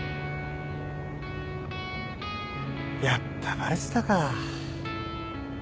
やっぱバレてたか